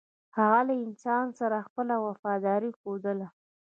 هغه له انسان سره خپله وفاداري ښودله.